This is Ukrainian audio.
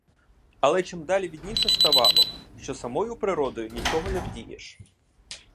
Але чим далі видніше ставало, що самою природою нічого не вдієш.